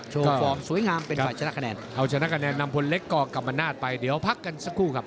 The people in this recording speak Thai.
โชว์ฟอร์มสวยงามเป็นไฟชนะคะแนน